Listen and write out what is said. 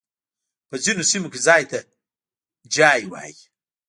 په ځينو سيمو کي ځای ته جای وايي.